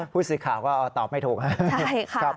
ผู้สิทธิ์ข่าวก็ตอบไม่ถูก